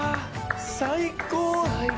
最高！